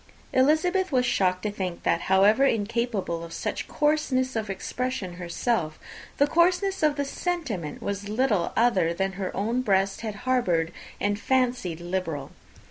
Elizabeth was shocked to think that, however incapable of such coarseness of expression herself, the coarseness of the sentiment was little other than her own breast had formerly harboured and fancied liberal!